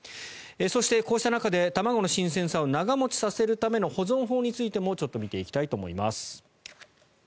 そしてこうした中で卵の新鮮さを長持ちさせるための保存法についても見ていきたいと思います。